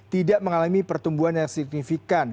tidak mengalami pertumbuhan yang signifikan